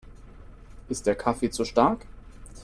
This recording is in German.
Ist der Kaffee zu stark?